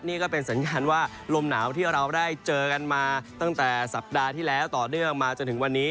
นี่ก็เป็นสัญญาณว่าลมหนาวที่เราได้เจอกันมาตั้งแต่สัปดาห์ที่แล้วต่อเนื่องมาจนถึงวันนี้